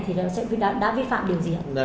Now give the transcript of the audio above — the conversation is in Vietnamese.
thì đạo sĩ đã vi phạm điều gì hả